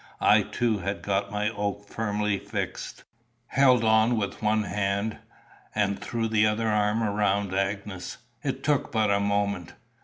I, too, had got my oak firmly fixed, held on with one hand, and threw the other arm round Agnes. It took but a moment.